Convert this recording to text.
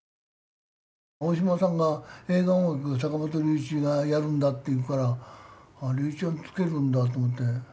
大島さんが映画音楽坂本龍一がやるんだっていうからああ、龍一ちゃんがつけるんだって。